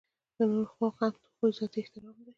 د نورو حقوق د هغوی ذاتي احترام دی.